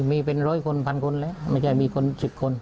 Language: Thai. มีเป็นร้อยคนพันคนแล้วไม่ใช่มีคน๑๐คน